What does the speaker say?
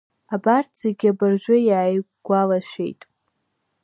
Абарҭ зегьы абыржәы иааигәалашәеит.